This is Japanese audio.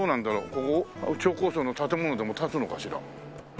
ここ超高層の建物でも建つのかしら。